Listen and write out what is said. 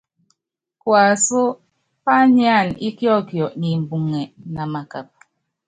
Kuasú pányánana íkiɔkiɔ ni imbuŋɛ, namakapa.